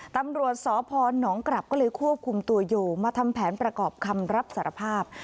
ตำรวจสพนกลับก็เลยควบคุมตัวโยมาทำแผนประกอบคำรับสารภาพ